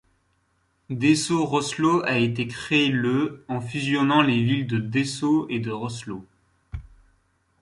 Dessau-Rosslau a été créée le en fusionnant les villes de Dessau et de Rosslau.